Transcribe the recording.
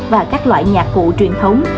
và các loại nhạc cụ truyền thống